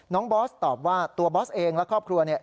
บอสตอบว่าตัวบอสเองและครอบครัวเนี่ย